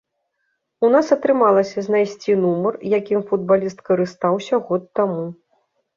У нас атрымалася знайсці нумар, якім футбаліст карыстаўся год таму.